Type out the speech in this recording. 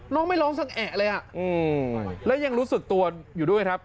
ไม่ร้องสักแอะเลยอ่ะแล้วยังรู้สึกตัวอยู่ด้วยครับ